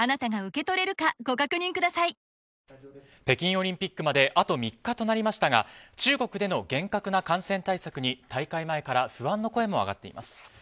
北京オリンピックまであと３日となりましたが中国での厳格な感染対策に大会前から不安の声も上がっています。